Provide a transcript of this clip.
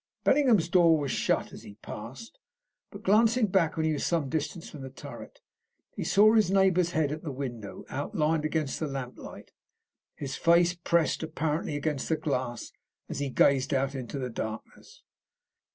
Bellingham's door was shut as he passed, but glancing back when he was some distance from the turret, he saw his neighbour's head at the window outlined against the lamp light, his face pressed apparently against the glass as he gazed out into the darkness.